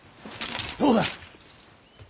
どうだ。